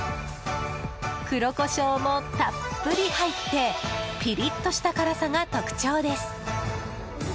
黒コショウもたっぷり入ってピリッとした辛さが特徴です。